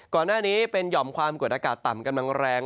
ก่อนหน้านี้เป็นหย่อมความกดอากาศต่ำกำลังแรง